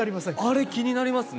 あれ気になります